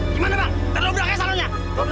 gimana bang terlalu berangkat salonnya